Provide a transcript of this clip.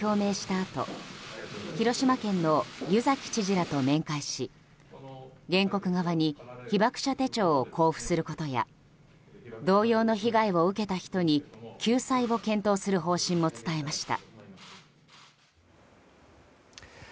あと広島県の湯崎知事らと面会し原告側に被爆者手帳を交付することや同様の被害を受けた人に救済を検討する方針も伝えました。